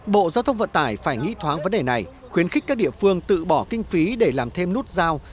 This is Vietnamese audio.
bộ giao thông vận tải phải nghĩ thoáng vấn đề này khuyến khích các địa phương tự bỏ kinh phí để làm thêm nút giao